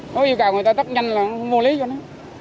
nó yêu cầu người ta tắt nhanh là mua lấy vô nè